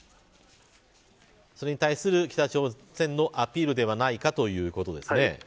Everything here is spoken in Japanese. それに対する北朝鮮のアピールではないかということですね。